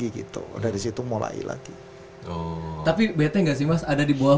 kita mesti sediain ember